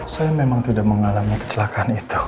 saya memang tidak mengalami kecelakaan itu